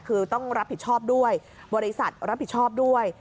คือต้องรับผิดชอบด้วยบริษัทรับผิดชอบด้วย